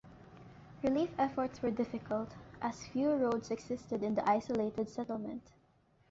Relief efforts were difficult, as few roads existed in the isolated settlement.